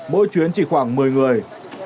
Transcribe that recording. mỗi chuyến chỉ khoảng một mươi người